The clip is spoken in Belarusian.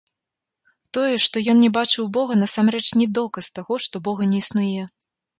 Тое, што ён не бачыў бога, насамрэч не доказ таго, што бога не існуе.